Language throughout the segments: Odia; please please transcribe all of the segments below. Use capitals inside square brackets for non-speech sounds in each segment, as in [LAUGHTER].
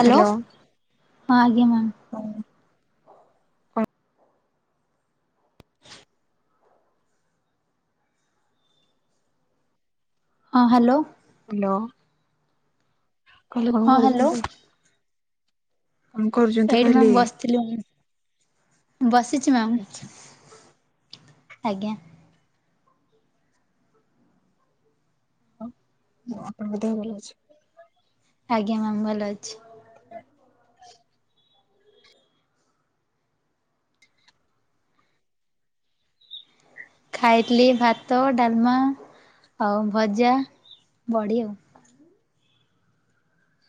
ହ୍ୟାଲୋ। ହଁ ଆଜ୍ଞା ମ୍ୟାମ୍। ହ୍ୟାଲୋ ହଁ ହ୍ୟାଲୋ। ହ୍ୟାଲୋ। କହିଲି କଣ ହଁ ହ୍ୟାଲୋ କରୁଛନ୍ତି? କଣ କରୁଛନ୍ତି ଏଇଠି ମ୍ୟାମ୍ କହିଲି? ବସିଥିଲି ମ୍ୟାମ୍ ବସିଛି ମ୍ୟାମ୍ ଆଚ୍ଛା। ଆଜ୍ଞା। ଆଉ ମୁଁ ଆପଣଙ୍କ ଦେହ ଭଲ ଅଛି? ଆଜ୍ଞା ମ୍ୟାାମ ଭଲ ଅଛି। [INAUDIBLE] ଖାଇଥିଲି ଭାତ ଡାଲମା। ଆଉ ଭଜା ବଡ଼ି ଆଉ।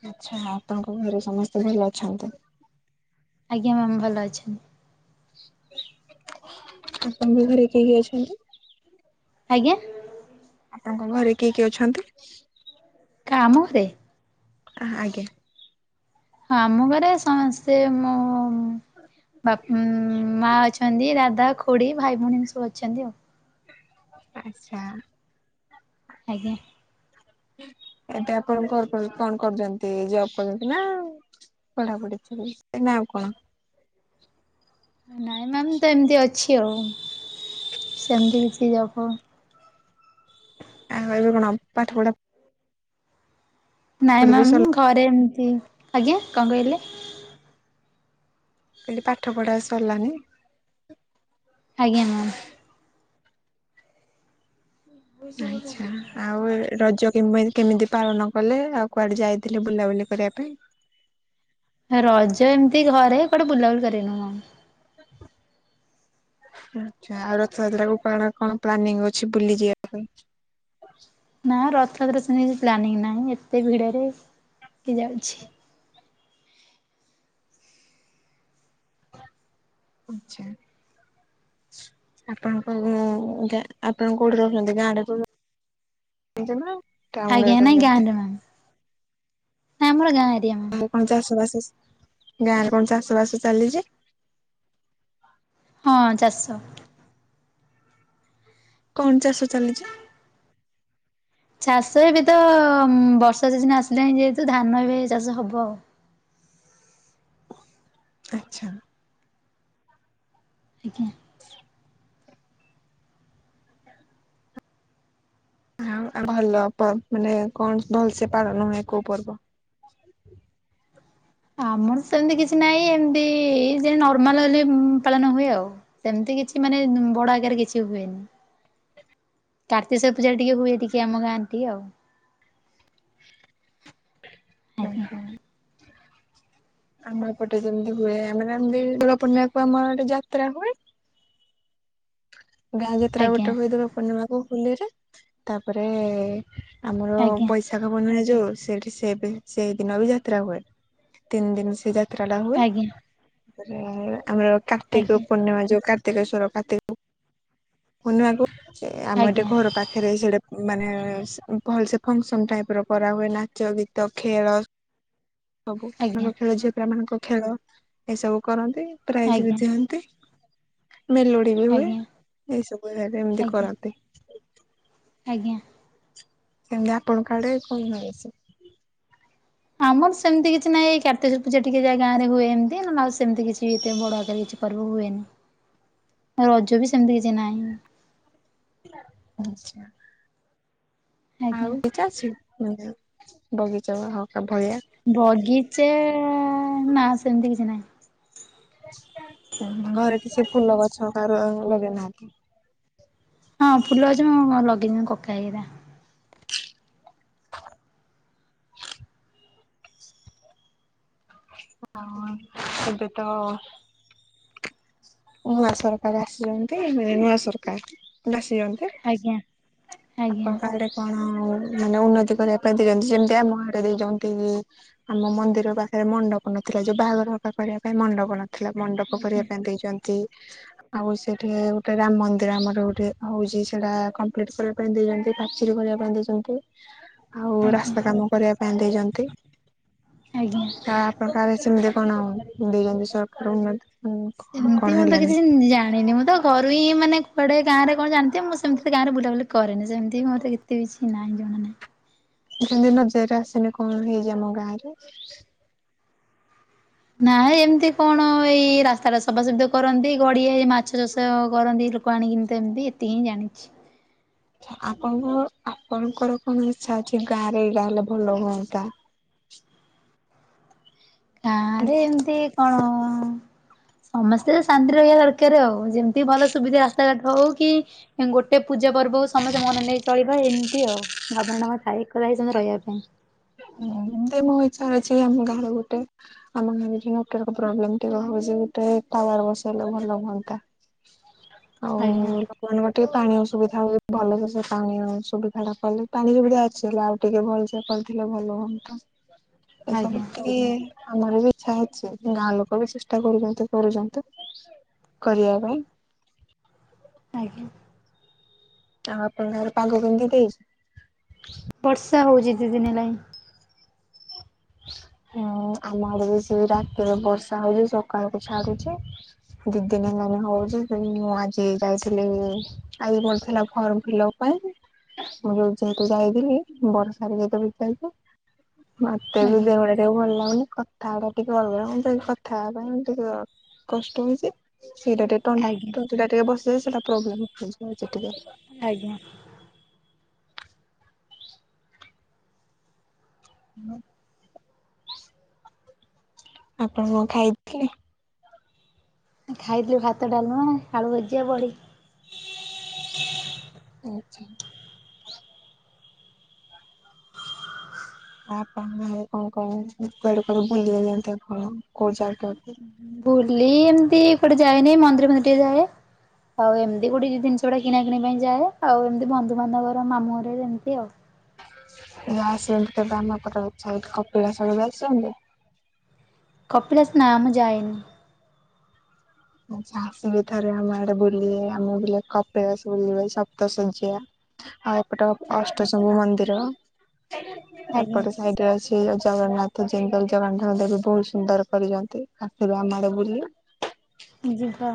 ଆଚ୍ଛା ଆପଣଙ୍କ ଘରେ ସମସ୍ତେ ଭଲ ଅଛନ୍ତି। ଆଜ୍ଞା ମ୍ୟାମ୍ ଭଲ ଅଛନ୍ତି। ଆପଣ ଙ୍କ ଘରେ କିଏ କିଏ ଅଛନ୍ତି? ଆଜ୍ଞା। ଆପଣଙ୍କ ଘରେ କିଏ କିଏ ଅଛନ୍ତି? କାମ ସେ ହ ଆଜ୍ଞା। ହଁ ଆମ ଘରେ ସମସ୍ତେ ମୁଁ ବାପ୍ ମା ଅଛନ୍ତି ଦାଦା ଖୁଡି ଭାଇ ଭଉଣୀ ଏମିତି ସବୁ ଅଛନ୍ତି ଆଉ। ଆଚ୍ଛା। ଆଜ୍ଞା। ଏବେ ଆପଣ କଣ କରୁ କଣ କରୁଛନ୍ତି ଜବ୍ କରୁଛନ୍ତି ନା। ପଢ଼ା ପଢ଼ି ଚାଲିଛି ନାଁ ଆଉ କଣ? ନାଇଁ ମ୍ୟାାମ ତ ଏମିତି ଅଛି ଆଉ ସେମିତି କିଛି ଯବ ଫବ୍ ଆଉ ଏବେ କଣ ପାଠ ପଢ଼ା ନାଇଁ ମାମ ସରିଲା ଘରେ ଏମତି ଆଜ୍ଞା କଣ କହିଲେ? ଏଇ ପାଠ ପଢ଼ା ସରିଲାଣି। ଆଜ୍ଞା ମାମ୍। ଆଚ୍ଛା ଆଉ ରଜ କେମେ କେମିତି ପାଳନ କଲେ ଆଉ କୁଆଡ଼େ ଯାଇଥିଲେ ବୁଲାବୁଲି କରିବା ପାଇଁ? କୁଆଡ଼େ ବୁଲାବୁଲି କରେନି ମ। [UNINTELLIGIBLE] ଆଚ୍ଛା ଆଉ ରଥଯାତ୍ରାକୁ କଣ କଣ ପ୍ଲାନିଂ ଅଛି ବୁଲି ଯିବା ପାଇଁ? [INAUDIBLE] ନା ରଥଯାତ୍ରାରେ ସେମତୀ କିଛି ପ୍ଲାନିଂ ନାହିଁ ଏତେ ଭିଡ଼େରେ କିଏ ଯାଉଛି? ଆଛା। ଆପଣ କୋଉ ଯା ଆପଣ କୋଉଠି ରହୁଛନ୍ତି ଗାଁ ରେ କୋଉ [UNINTELLIGIBLE] ଆଜ୍ଞା ନାଇଁ ଗାଁରେ ମାମ୍ ନାଇଁ ଆମର ଗାଁ ରେ ଆଉ କଣ ଚାଷ ବାସ ଗାଁ ରେ କଣ ଚାଷ ବାସ ଚାଲିଛି। ହଁ ଚାଷ। କଣ ଚାଷ ଚାଲିଛି? ଚାଷ ଏବେ ତ ବର୍ଷା ସିଜିନ ଆସିଲାଣିି ଯେହେତୁ ଧାନ ଏବେ ଚାଷ ହବ ଆଉ। ଆଚ୍ଛା। ଆଜ୍ଞା। ଆଉ ଭଲ ମାନେ କଣ ଭଲସେ ପାଳନ ହୁଏ କୋଉ ପର୍ବ? [INAUDIBLE] ଆମର ସେମିତି କିଛି ନାହିଁ ଏମତି ଯେ ନର୍ମାଲ ହେଲେ ପାଳନ ହୁଏ ଆଉ ସେମତି। କିଛି ମାନେ ବଡ଼ ଆକାରରେ କିଛି ହୁଏନି। [INAUDIBLE] କାର୍ତ୍ତିଶ୍ୱର ପୂଜା ଟିକେ ହୁଏ ଟିକେ ଆମ ଗାଁରେ ଟିକେ ଆଉ। ଓ ଆଜ୍ଞା ହୋ। ଆମର ଏପଟେ ସେମତି ହୁଏ ଆମ ଗାଁ ରେ ବି ଦୋଳପୂର୍ଣ୍ଣିମାକୁ ଆମଆଡ଼େ ଯାତ୍ରା ହୁଏ। ଗାଁ ଯାତ୍ରା ଆଜ୍ଞା ଗୋଟେ ହୁଏ ଦୋଳପୂର୍ଣିମାକୁ ହୋଲିରେ ତାପରେ ଆମର ଆଜ୍ଞା ବୈଶାଖ ବନ ହେଇ ଯୋଉ ସେଠି ସେବେ ସେଇ ଦିନ ବି ଯାତ୍ରା ହୁଏ ତିନି ଦିନ ସେ ଯା ଯାତ୍ରା ଟା ହୁଏ ଆଜ୍ଞା ତାପରେ ଆମର କାର୍ତ୍ତିକ ଆଜ୍ଞା ପୂର୍ଣ୍ଣିମା ଯୋଉ କା କାର୍ତ୍ତିକେଶ୍ଵର କାତିପୁନିବାକୁ ଆମ ଏଠେ ଆଜ୍ଞା ଘର ପାଖରେ ସେଟ ମାନେ ଭଲ ସେ ଫଙ୍କସନ୍ ଟାଇପ ର କରାହୁଏ ନାଚ ଗୀତ ଖେଳ। ସବୁ ଆଜ୍ଞା ମାଙ୍କ ଖେଳ ଝିଅ ପିଲା ମାନଙ୍କ ଖେଳ ଏସବୁ କରନ୍ତି। ନ୍ତି ପ୍ରାଇଜି ଆଜ୍ଞା ବି ଦିଅନ୍ତି। ମେଲୁଡି ବି ହୁଏ ଆଜ୍ଞା ଏଇସବୁ ଜରେ ଏମତି ଆଜ୍ଞା କରନ୍ତି। ଆଜ୍ଞା। କେମତି ଆପଣଙ୍କ କାଡେ କଣ ହେଇଛି [UNINTELLIGIBLE] ଆମର ସେମିତି କିଛି ନାହିଁ ଏଇ କତ୍ତିକ ପୂଜା ଟିକେ ଯାହା ଗାଁରେ ହୁଏ ଏମତି ନା ଆଉ ସେମିତି କିଛି ଏତେ ବଡ ଆକାର କିଛି ପର୍ବ ହୁଏନି ରଜ ବି ସେମିତି କିଛି ନାହିଁ। [UNINTELLIGIBLE] ଆଜ୍ଞା ଆଉ [UNINTELLIGIBLE] ବଗିଚା ବା ହ। ବଗିଚା ନା ସେମିତି କିଛି ନାହିଁ। ଘରେ କିଛି ଫୁଲ ଗଛ ରୁଆ ଲଗେଇନାହାନ୍ତି। ହଁ ଫୁଲ ଗଛ ହ ଲଗେଇଛନ୍ତି କକା ହେରା। ହଁ ଏବେ ତ ନୂଆ ସରକାର ଆସିଛନ୍ତି ମାନେ ନୂଆ ସରକାର ଆସିଛନ୍ତି। ଆଜ୍ଞା ଆଜ୍ଞା ଆପଣଙ୍କ ଆଡେ କଣ ମାନେ ଉନ୍ନତି କରିବା ପାଇଁ ଦେଇଛନ୍ତି ଯେମତି ଆମ ଆଡ଼େ ଦେଇଛନ୍ତି ଆମ ମନ୍ଦିର ପାଖରେ ମଣ୍ଡପ। ମନଥିଲା ଯୋଉ ବାହାଘର ହକା କରିବା ପାଇଁ ମଣ୍ଡପ। ଥିଲା ମଣ୍ଡପ କରିବା ଆଜ୍ଞା ପାଇଁ ଦେଇଛନ୍ତି ଆଉ ସେଠି ଗୋଟେ ରାମ ମନ୍ଦିର ଆମର ଗୋଟେ ହଉଛି ସେଟା କମ୍ପଲିଟ କରିବା ପାଇଁ ଦେଇଛନ୍ତି ପାଚେରୀ କରିବା ପାଇଁ ଦେଇଛନ୍ତି। ଆଉ ଆଜ୍ଞା ରାସ୍ତା କାମ କରିବା ପାଇଁ ଦେଇଛନ୍ତି। ଆଜ୍ଞା ତ ଆପଣ ଆଡ଼େ ସେମିତି କଣ ଦେଇଛନ୍ତି ସରକାର ଉନ୍ନତି କଣ ସେମତି ମୁଁ ତ ହେଲାନି କିଛି ଜାଣିନି ମୁଁ ତ କରୁ ହି ମାନେ କୁଆଡେ ଗାଁରେ କଣ ଜାଣିଥିବ ମୁଁ ସେମିତି ତ ଗାଁରେ ବୁଲାବୁଲି କରେନି ସେମିତି ମୋତେ କେତେ କିଛି ନାହିଁ। ଜଣା ନାହିଁ। ସେମିତି ନଜରେ ଆସନି କଣ ହେଇଛି ଆମ ଗାଁ ରେ। ନାଇ ଏମିତି କଣ ଏଇ ରାସ୍ତା ଟା ସଫା ସଫି କରାନ୍ତି କରନ୍ତି ଗଡିଆ ହେଇ ମାଛ ଚାଷ କରନ୍ତି। ଲୋକ ଆଣିକିନି ତ ଏମିତି ଏତିକି ହିଁ ଜାଣିଛି। ଆପଣଙ୍କ ଆପଣଙ୍କର କଣ ଇଛା ଅଛି ଗାଁରେ ଏଇଗା ହେଲେ ଭଲ ହୁଅନ୍ତା? ଗାଁ ରେ ଏମିତି କଣ? ସମସ୍ତେ ଶାନ୍ତି ରହିବା ଦରକାର ଆଉ ଯେମିତି ଭଲ ସୁବିଧା ରାସ୍ତାଘାଟ ହଉ କି ଗୋଟେ ପୂଜା ପର୍ବକୁ ସମସ୍ତେ ମନେ ନେଇ ଚଳିବା ଏମିତି ଆଉ ଭାବନା ଥାଏ ଏକଥା ହେଇ ରହିବା ପାଇଁ। ହଁ ମୋ ଇଚ୍ଛା ଅଛି ଆମ ଗାଁ ରେ ଗୋଟେ ଆମ ଗାଁ ରେ ଯୋଉ ନେଟୱର୍କ ପ୍ରୋବ୍ଲେମ୍ ଟି ହେଉଛି ଗୋଟେ ଟାୱାର ବସେଇଲେ ଭଲ ହୁଅନ୍ତା ଆଉ ଆଜ୍ଞା ଲୋକମାନଙ୍କ ଟିକେ ପାଣି ଅ ସୁୁବିଧା ହ ଭଲସ ସେ ପାଣି ସୁବିଧା ଟା କଲେ ପାଣି ସୁବିଧା ଅଛି ହେଲା ଆଉ ଟିକେ ଭଲସେ ଥିଲେ ଭଲ ହୁଅନ୍ତା ଏସବୁ ଆଜ୍ଞା ଟିକେ ଆମର ବି ଇଚ୍ଛା ଅଛି ଗାଁ ଲୋକ ବି ଚେଷ୍ଟା କରୁଛନ୍ତି କରୁଛନ୍ତି। କରିବା ପାଇଁ ଆଜ୍ଞା। ଆଉ ଅପଙ୍କ ଆଡ଼େ ପାଗ କେମିତି ଦେଇଛି? ଚା ହଉଛି ଦି ଦିନି ଦେଲାଣି। ହଁ ଆମ ଆଡ଼େ ବି ସେ ରାତିରେ ବର୍ଷା ହଉଛି ସକାଳକୁ ଛାଡୁଛି। ଦି ଦିନ ମାନ ହଉଛି ମୁଁ ଆଜି ଯାଇଥିଲି ଯାଇଥିଲା ଆଇ ମିଳୁଥିଲା ଫର୍ମ ଫିଲିପ୍ ପାଇଁ। ମୁଁ ଯୋଉ ଯେହେତୁ ଯାଇଥିଲି ବର୍ଷା ରେ ଭିଯାଉଛି। ତେବେ ଆଜ୍ଞା ଦେହଗୁଡ଼ ଟିକେ ଭଲ ଲାଗୁନି। ଥାଉଡା ଟିକେଅଲଗା ମୋତେ କଥା ହେବା ପାଇଁ ଟିକେ କଷ୍ଟ ହଉଛି। ସେଇଟା ଟିକେ [UNINTELLIGIBLE] ଆଜ୍ଞା ତଣ୍ଟିଟା ଟିକେ ବସି ଯାଇଛି, ସେଇଟା ପ୍ରୋବ୍ଲେମ ଦେଖୋଇଛି ଆଜ୍ଞା। ହୁଁ ଆପଣ କଣ ଖାଇଥିଲେ? ଖାଇଥିଲୁ ଭାତ, ଡାଲମା, ଆଳୁ ଭଜା, ଵଡି। ଆଛା। ଆପଣ [UNINTELLIGIBLE] କଣ କଣ କୁଆଡେ କୁଆଡେ ବୁଲି ଯାଇଚନ୍ତି ଆପଣ କୋଉ ଜାଗ? ବୁଲି ଏମିତି କୁଆଡେ ଯାଏନି, ମନ୍ଦିର ଫନ୍ଦିର ଟିକେ ଯାଏ। ଆଉ ଏମିତି ଗୋଟେ ଜିନିଷ ଗୁଡା କିଣା କିଣିିବା ପାଇଁ ଯାଏ ଆଉ ଏମିତି ବନ୍ଧୁବାନ୍ଧବର ମାମୁଁ ଘରେ ଏମିତି ଆଉ। [UNINTELLIGIBLE] କପିଳାସ [UNINTELLIGIBLE] କପିଲାସ ନାଁ ମୁଁ ଯାଇନି। ଆଛା, ଅସୁବିଧା ରେ ଆମ ଆଡେ ବୁଲେ ଆମେ ବୁ କପିଲାସ ବୁଲିବ ସପ୍ତଶଯ୍ୟ। ଆଉ ଏପଟ ଆଜ୍ଞା ଅଷ୍ଟଶଙ ମନ୍ଦିର ଆଜ୍ଞା ଏପଟ ସାଇଡରେ ଅଛି। ଜଗନ୍ନାଥ ଯେ ଜଗନ୍ନାଥ ଦେବୀ ବହୁତ ସୁନ୍ଦର କରିଛନ୍ତି ଆସିବେ ଆମଆଡେ ବୁଲି। ଯିବା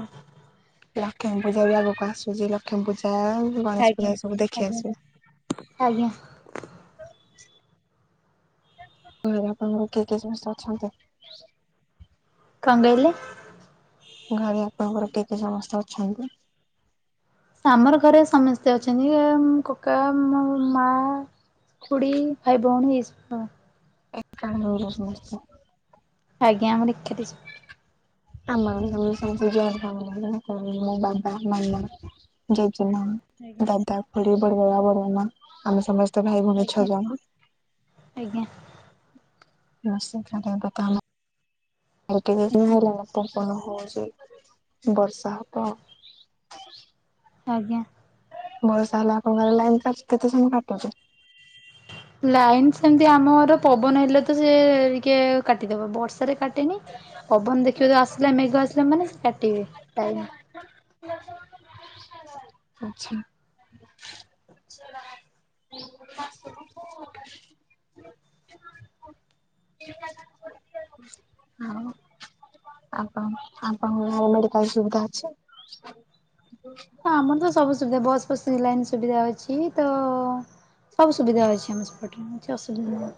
ଲକ୍ଷ୍ମୀ ପୂଜା ବି ଆଗକୁ ଆସୁଛି, ଲକ୍ଷ୍ମୀ ପୂଜା ଗଣେଶ ଆଜ୍ଞା ପୂଜା ରେ ସବୁ ଦେଖି ଆଜ୍ଞା ଆଜ୍ଞା ଆସିବେ। ଘରେ ଆପଣଙ୍କ ର କିଏ କିଏ ସମସ୍ତେ ଅଛନ୍ତି? କଣ କହିଲେ? ଘରେ ଆପଣଙ୍କ ର କିଏ କିଏ ସମସ୍ତେ ଅଛନ୍ତି। ଆମର ଘରେ ସମସ୍ତେ ଅଛନ୍ତି କକା, ମୋ ମା। ଖୁଡି ଭାଇ ଭଉଣ ଏଇ ସବୁ। ଏକାଠି ରହୁଚୁ ସମସ୍ତେ। ଆଜ୍ଞା ଆମର ଏକାଠି ସବୁ। ଆମର ବି ସେମିତି ଜୋଏଣ୍ଟ ଫାମିଲି [UNINTELLIGIBLE] ମ ବାବା ମାମା ଜେଜୀ ଜେଜେମା, ଆଜ୍ଞା ଦାଦା ଖୁଡି, ବଡ ବାବା, ବଡ଼ ମାମା, ଆମେ ସମସ୍ତେ ତ ଭାଇ ଭଉଣୀ ଛ ଆଜ୍ଞା ଜଣ। ଆଜ୍ଞା। ଆ ସେ [UNINTELLIGIBLE] ଆଜ୍ଞା ହଉଛି ବର୍ଷା ହବ। ଆଜ୍ଞା। [UNINTELLIGIBLE] ଲାଇନ ସେମିତି ଆମର ପବନ ହେଲେ ତ ସେ ଟିକେ କାଟିଦବ, ବର୍ଷାରେ କାଟ କାଟେ ନି ପବନ ଦେଖିବ ଆସିଲା ମେଘ ଆସିଲା ମାନେ ସେ କାଟିବେ ଲାଇନ। [UNINTELLIGIBLE] ଆଛା। [UNINTELLIGIBLE] ଆପଣଙ୍କର ମେଡିକାଲ ସୁବିଧା ଅଛି? ଆମର ତ ସବୁ ସୁବିଧା, ବସ୍ ଫସ ସେ ଲାଇନ ସୁବିଧା ଅଛି ତ ସବୁ ସୁବିଧା ଅଛି ଆମର ସେପଟେ, କିଛି ଅସୁବିଧା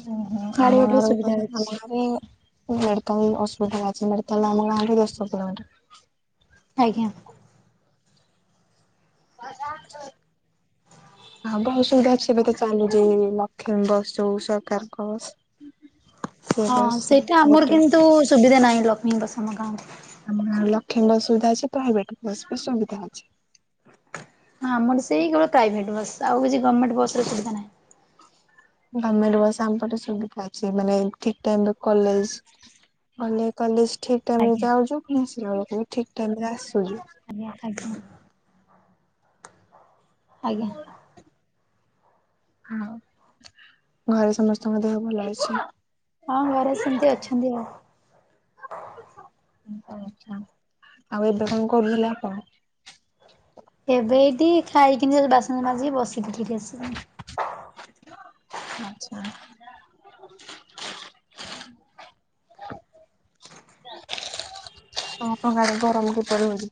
ହୁଁ ହୁଁ, ଗାଡି ଆମ ଘୋଡାର ଗାଁରେ ସୁବିଧା ଅଛି। ମେଡିକାଲ ଅସୁବିଧା ଅଛି। ସିମେଣ୍ଟ ତାଲା ଆମ ଗାଁ ଠୁ ଦଶକିଲୋମିଟର। ଆଜ୍ଞା। [UNINTELLIGIBLE] ହଁ ବହୁ ସୁବିଧା ଅଛି, ଏବେ ତ ଚାଲୁଛି ଲକ୍ଷ୍ମୀ ବସ ଯଉ ସରକାରଙ୍କସ୍ ହଁ ସେଇଟା ଆମର ଗୋଟେ କିନ୍ତୁ ସୁବିଧା ନାହିଁ, ଲକ୍ଷ୍ମୀ ବସ ଆମ ଗାଁ କୁ। ଆମ ଗାଁ ରେ ଲକ୍ଷୀ ବସ୍ ସୁବିଧା ଅଛି ପ୍ରାଇଭେଟ ବସ୍ ବି ସୁବିଧା ଅଛି। ହଁ, ଆମର ସେଇ କେବଳ ପ୍ରାଇଭେଟ୍ ବସ୍ ଆଉ କିଛି ଗମେଣ୍ଟ ବସର ସୁବିଧା ନାହିଁ। ଗମେଣ୍ଟ ବସ ଆମ ପଟେ ସୁବିଧା ଅଛି ମାନେ ଠିକ ଟାଇମ ରେ କଲେଜ ଗଲେ କଲେଜ ଠିକ ଟାଇମରେ ଆଜ୍ଞା ଯାଉଛୁ ପୁଣି ଆସିଲାବେଳକୁ ଠିକ ଟାଇମରେ ଆସୁଛୁ। ଆଜ୍ଞା ଆଜ୍ଞା [INAUDIBLE] ଆଜ୍ଞା। ଘରେ ସମସ୍ତ ଙ୍କ ଦେହ ଭଲ ଅଛି। ହଁ ଘରେ ସେମିତି ଅଛନ୍ତି ଆଉ। ହୁଁ ଆଛା ଆଉ ଏବେ କଣ କରୁଥିଲେ ଆପଣ? ଏବେ ଏଇଠି ଖାଇକିନି ଯାଉଚି ବାସ ମାଜିକି ବସିଥି [UNINTELLIGIBLE] [INAUDIBLE] [UNINTELLIGIBLE] ଗରମ କିପରି ହେଉଛି?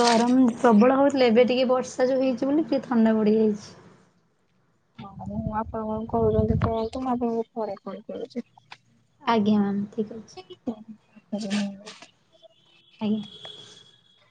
ଗରମ ପ୍ରବଳ ହଉଥିଲା ଏବେ ଟିକେ ବର୍ଷା ଯୋଉ ହେଇଛି ବୋଲି ଟିକେ ଥଣ୍ଡା ବଢ଼ିଯାଇଛି। ହଁ, ମୁଁ ଆପଣ କଣ କହୁଛନ୍ତି କୁହନ୍ତୁ? ମୁଁ ଆପଣଙ୍କୁ ଥରେ କହି ଦଉଛି। ଆଜ୍ଞା ମ୍ୟାମ ଠିକ ଅଛି। [UNINTELLIGIBLE] ଆଜ୍ଞା।